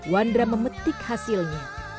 wandra memetik hasilnya